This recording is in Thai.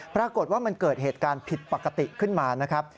ปรากฏว่ามันเกิดเหตุการณ์ผิดปกติขึ้นมานะครับ